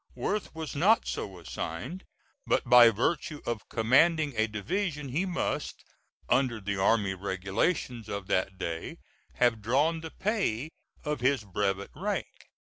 Worth was not so assigned, but by virtue of commanding a division he must, under the army regulations of that day, have drawn the pay of his brevet rank.